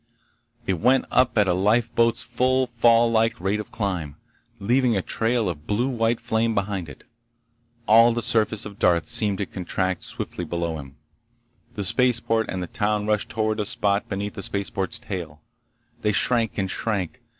It went up at a lifeboat's full fall like rate of climb, leaving a trail of blue white flame behind it. All the surface of Darth seemed to contract swiftly below him. The spaceport and the town rushed toward a spot beneath the spaceboat's tail. They shrank and shrank.